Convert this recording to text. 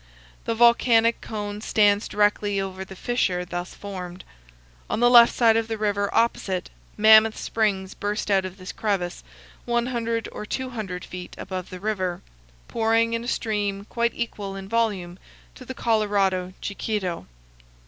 The volcanic cone stands directly over the fissure thus formed. On the left side of the river, opposite, mammoth springs burst out of this crevice, 100 or 200 feet above the river, pouring in a stream quite equal in volume to the Colorado Chiquito.